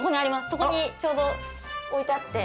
そこにちょうど置いてあって。